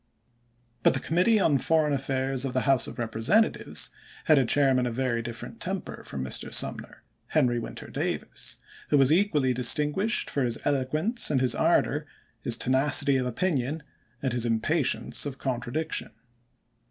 But the Committee on Foreign Affairs of the House of Representatives had a chairman of very different temper from Mr. Sumner, Henry Winter 408 ABRAHAM LINCOLN chap. xiv. Davis, who was equally distinguished for his elo quence and his ardor, his tenacity of opinion and his impatience of contradiction.